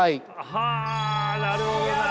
はあなるほどなあ。